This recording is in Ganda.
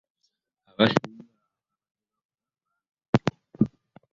Abasinga ababadde babula baana bato.